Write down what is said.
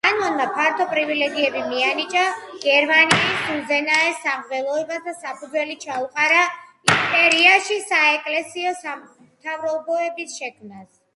კანონმა ფართო პრივილეგიები მიანიჭა გერმანიის უზენაეს სამღვდელოებას და საფუძველი ჩაუყარა იმპერიაში საეკლესიო სამთავროების შექმნას.